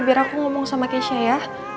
biar aku ngomong sama kesha ya